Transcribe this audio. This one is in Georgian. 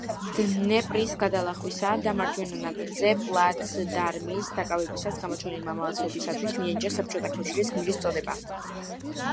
დნეპრის გადალახვისა და მარჯვენა ნაპირზე პლაცდარმის დაკავებისას გამოჩენილი მამაცობისათვის მიენიჭა საბჭოთა კავშირის გმირის წოდება.